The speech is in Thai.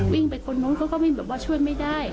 วิ่งไปคนนู้นเขาก็วิ่งแบบว่าช่วยไม่ได้